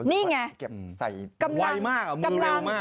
นี่ไงไวมากเอามือเร็วมากกำลัง